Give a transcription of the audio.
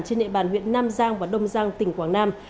trên địa bàn huyện nam giang và đông giang tỉnh quảng nam